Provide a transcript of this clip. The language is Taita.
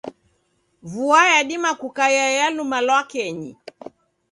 Vua yadima kukaia ya luma lwa kenyi.